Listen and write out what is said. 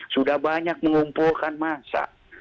sudah banyak mengumpulkan massa